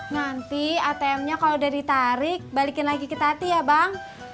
nanti atm nya kalau udah ditarik balikin lagi ke tati ya bang